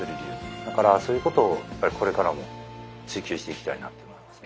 だからそういうことをやっぱりこれからも追求していきたいなと思いますね。